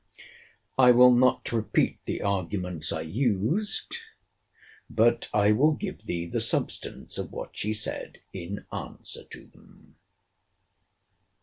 I will not repeat the arguments I used; but I will give thee the substance of what she said in answer to them.